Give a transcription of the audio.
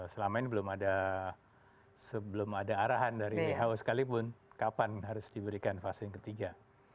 selama ini belum ada sebelum ada arahan dari who sekalipun kapan harus diberikan vaksin ketiga